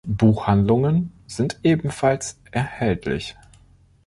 Buchhandlungen sind ebenfalls erhältlich.